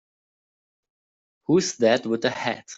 Who's that with the hat?